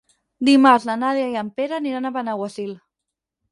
Dimarts na Nàdia i en Pere aniran a Benaguasil.